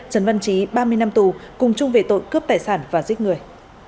trấn văn trí ba mươi năm tù cùng chung về tội cướp tài sản và giết người